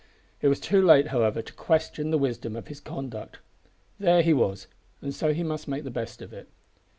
It was too late, however, to question the wisdom of his conduct. There he was, and so he must make the best of it.